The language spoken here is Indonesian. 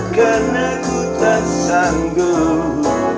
karena ku tak sanggup